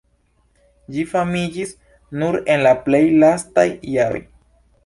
Ĝi famiĝis nur en la plej lastaj jaroj.